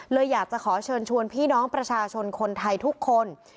อยากจะขอเชิญชวนพี่น้องประชาชนคนไทยทุกคน